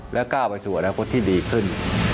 และก้าวไปสู่อนาคตที่ดีขึ้น